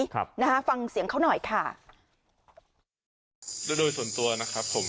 ครับนะฮะฟังเสียงเขาหน่อยค่ะโดยโดยส่วนตัวนะครับผม